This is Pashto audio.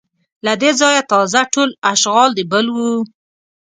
له دې ځایه تازه ټول اشغال د بل و